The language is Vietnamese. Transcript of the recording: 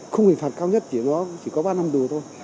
khung hình phạt cao nhất thì nó chỉ có ba năm đùa thôi